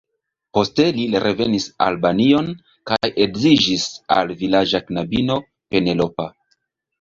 Poste li revenis Albanion kaj edziĝis al vilaĝa knabino, Penelopa.